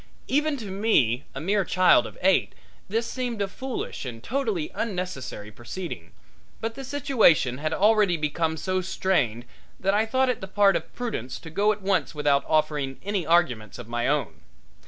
Even to me, a mere child of eight, this seemed a foolish and totally unnecessary proceeding, but the situation had already become so strained that I thought it the part of prudence to go at once without offering any arguments of my own.